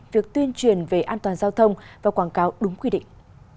việc tuyên truyền về an toàn giao thông và quảng cáo đúng quy định